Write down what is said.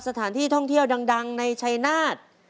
สถานที่ท่องเที่ยวดังในชัยนาธ